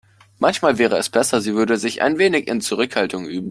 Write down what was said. Manchmal wäre es besser, sie würde sich ein wenig in Zurückhaltung üben.